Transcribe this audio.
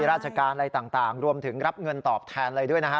ราชการอะไรต่างรวมถึงรับเงินตอบแทนอะไรด้วยนะฮะ